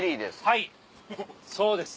はいそうです。